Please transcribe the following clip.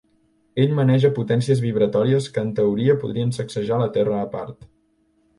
Ell maneja potències vibratòries que en teoria podria sacsejar la terra a part.